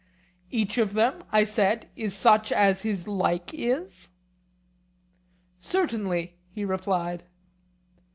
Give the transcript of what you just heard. Each of them, I said, is such as his like is? Certainly, he replied.